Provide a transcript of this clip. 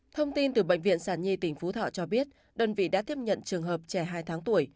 thông tin từ bệnh viện sản nhi tỉnh phú thọ cho biết đơn vị đã tiếp nhận trường hợp trẻ hai tháng tuổi